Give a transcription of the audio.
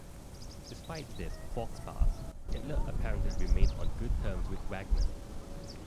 Despite this "faux pas", Hitler apparently remained on good terms with Wagner.